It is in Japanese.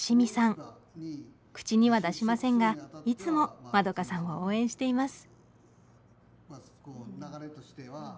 口には出しませんがいつもまどかさんを応援しています。